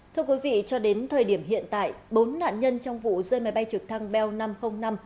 thưa quý vị cho đến thời điểm hiện tại bốn nạn nhân trong vụ rơi máy bay trực thăng bell năm trăm linh năm